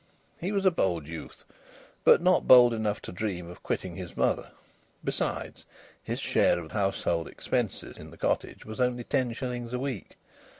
He was a bold youth, but not bold enough to dream of quitting his mother; besides, his share of household expenses in the cottage was only ten shillings a week.